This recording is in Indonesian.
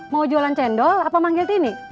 mau jualan cendol apa manggil tini